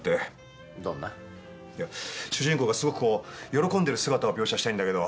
主人公がすごくこう喜んでる姿を描写したいんだけど。